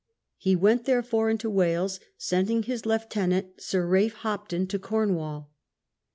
He went, therefore, into Wales, sending his lieu tenant, Sir Ralph Hopton, to Cornwall.